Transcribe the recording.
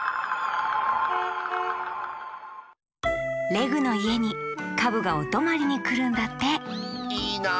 レグのいえにカブがおとまりにくるんだっていいな。